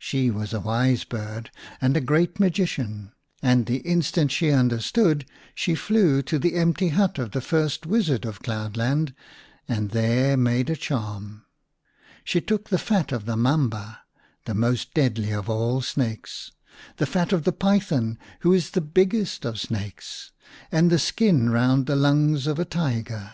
She was a wise bird and a great magician, and the instant she understood she flew to the empty hut of the first wizard of cloudland and there made a charm. She took 1 Indaba a conference or council. 54 v The Rabbit Prince the fat of the mamba, the most deadly of all snakes, the fat of the python, who is the biggest of snakes, and the skin round the lungs of the tiger.